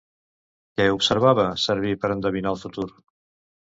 Què observava servir per endevinar el futur?